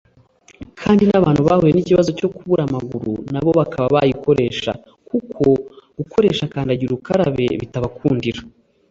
kandi n’abantu bahuye n’ikibazo cyo kubura amaguru nabo bakaba bayikoresha kuko gukoresha kandagira ukarabe bitabakundira